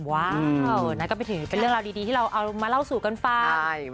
ว้าวนั่นก็ไปถือเป็นเรื่องราวดีที่เราเอามาเล่าสู่กันฟัง